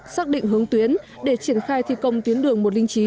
xác định hướng tuyến để triển khai thi công tuyến đường một trăm linh chín